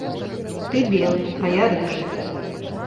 Ты белы, а я рыжы.